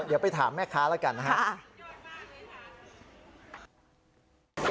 เดี๋ยวไปถามแม่ค้าละกันนะฮะ